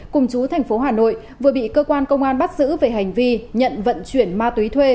cùng chú thành phố hà nội vừa bị cơ quan công an bắt giữ về hành vi nhận vận chuyển ma túy thuê